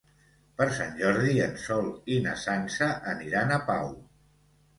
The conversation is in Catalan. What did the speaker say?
Per Sant Jordi en Sol i na Sança aniran a Pau.